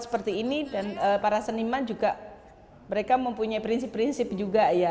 seperti ini dan para seniman juga mereka mempunyai prinsip prinsip juga ya